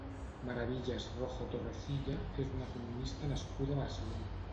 Maravillas Rojo Torrecilla és una economista nascuda a Barcelona.